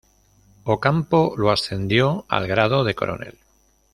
Ocampo lo ascendió al grado de coronel.